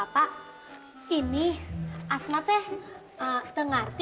bapak ini asmatnya mengerti